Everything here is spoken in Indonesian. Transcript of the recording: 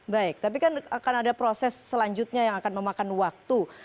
baik tapi kan akan ada proses selanjutnya yang akan memakan waktu